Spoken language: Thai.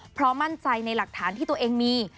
เพราะมั่นใจในหลักฐานที่ตัวเองมี